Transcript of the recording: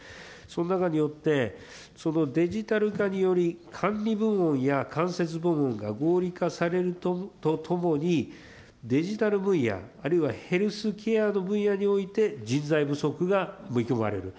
その中によって、デジタル化により、部門や、間接部門が合理化されるとともに、デジタル分野あるいはヘルスケアの分野において人材不足が見込まれる。